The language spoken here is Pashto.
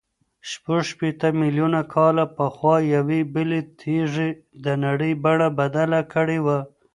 شپږ شپېته میلیونه کاله پخوا یوې بلې تېږې د نړۍ بڼه بدله کړې وه.